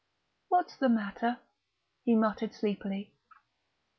"What's the matter?" he muttered sleepily....